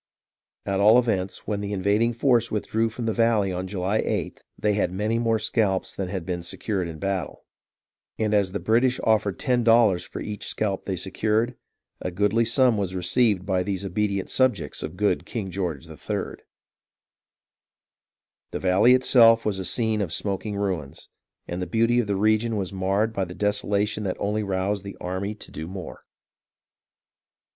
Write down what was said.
At all events, when the invading force withdrew from the valley on July 8th, they had many more scalps than had been secured in the battle ; and as the British had offered ten dollars for each scalp they secured, a goodly sum was received by these obedient sub jects of good King George III. The valley itself was a scene of smoking ruins, and the beauty of the region was marred by the desolation that only roused the army to do more.